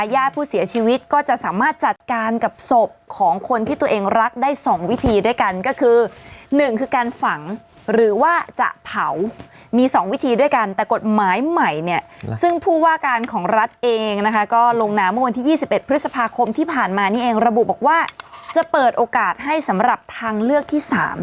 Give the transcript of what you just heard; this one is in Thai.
ญาติผู้เสียชีวิตก็จะสามารถจัดการกับศพของคนที่ตัวเองรักได้๒วิธีด้วยกันก็คือ๑คือการฝังหรือว่าจะเผามี๒วิธีด้วยกันแต่กฎหมายใหม่เนี่ยซึ่งผู้ว่าการของรัฐเองนะคะก็ลงนามเมื่อวันที่๒๑พฤษภาคมที่ผ่านมานี่เองระบุบอกว่าจะเปิดโอกาสให้สำหรับทางเลือกที่๓